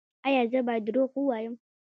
ایا زه باید دروغ ووایم؟